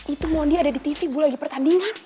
itu mondi ada di tv bu lagi pertandingan